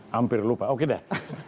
hampir lupa oke deh